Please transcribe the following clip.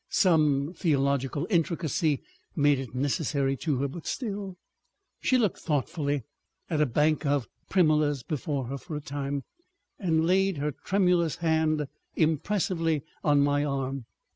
Some theological intricacy made it necessary to her, but still——— She looked thoughtfully at a bank of primulas before her for a time, and then laid her tremulous hand impressively on my arm.